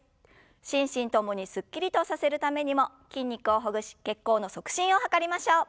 心身共にすっきりとさせるためにも筋肉をほぐし血行の促進を図りましょう。